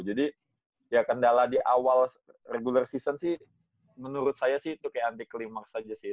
jadi ya kendala di awal regular season sih menurut saya sih itu kayak anti klimaks aja sih